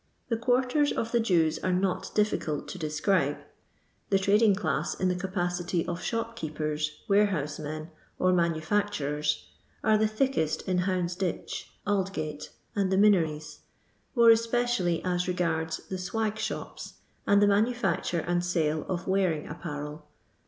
The quarters of the Jews are not dif ficult to describe. The tradingdau in the capacity of shopkeepers, warehousemen, or manufacturers, are the thickest in Iloundsditch, Aldgate, and the Hinories, more tspccially as regards the " swag shops" and the manufacture and sale of wearing appwel.